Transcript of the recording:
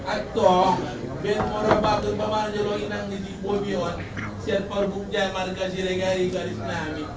atoh ben morabako paman jorokinan nisi bobi siapal bukjai marga sirigari karis nami